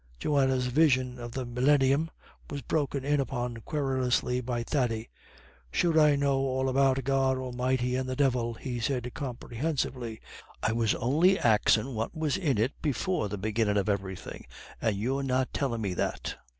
Johanna's vision of the millennium was broken in upon querulously by Thady. "Sure I know all about God Almighty and the Divil," he said comprehensively, "I was on'y axin' what was in it before the beginnin' of everythin', and you're not tellin' me that."